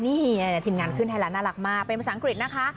นี่ทีมงานขึ้นให้แล้วน่ารักมากเป็นภาษาอังกฤษนะคะ